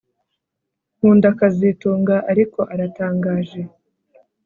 Nkunda kazitunga ariko aratangaje